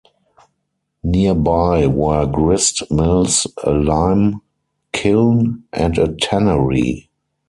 Nearby were grist mills, a lime kiln, and a tannery.